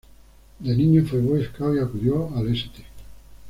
De niño fue Boy Scout y acudió al St.